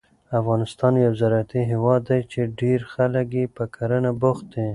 افغانستان یو زراعتي هېواد دی چې ډېری خلک یې په کرنه بوخت دي.